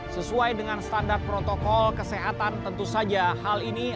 sesuai dengan standar protokol kesehatan tentu saja hal ini